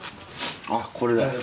あっこれだ。